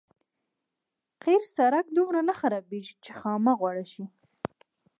قیر سړک دومره نه خرابېږي چې خامه غوره شي.